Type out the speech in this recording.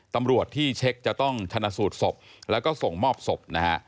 ตำรวจที่เช็คจะต้องชนะสูตรศพแล้วก็ส่งมอบศพนะฮะ